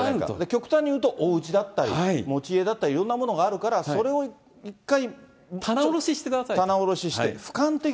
極端に言うとおうちだったり、持ち家だったら、いろんなものがあるから、それを１回。